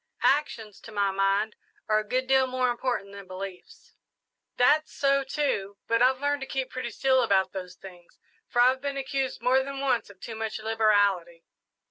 Actions, to my mind, are a good deal more important than beliefs." "That's so, too, but I've learned to keep pretty still about those things, for I've been accused more than once of too much liberality."